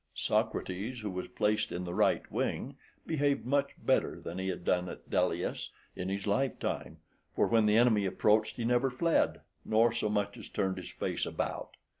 Socrates, who was placed in the right wing, behaved much better than he had done at Delius {128c} in his life time, for when the enemy approached he never fled, nor so much as turned his face about.